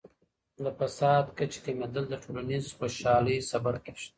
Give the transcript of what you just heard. د فساد کچې کمیدل د ټولنیز خوشحالۍ سبب کیږي.